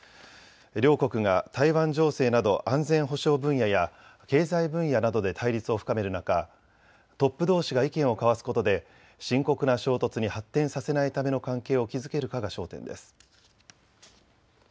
両国が台湾情勢など安全保障分野や経済分野などで対立を深める中、トップどうしが意見を交わすことで深刻な衝突に発展させないための関係を築けるかが焦点です。